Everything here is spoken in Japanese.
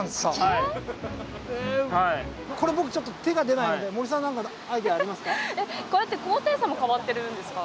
これ僕ちょっと手が出ないので森さんなんかアイデアありますか？